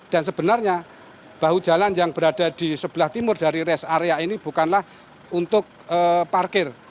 dan sebenarnya bahu jalan yang berada di sebelah timur dari rest area ini bukanlah untuk parkir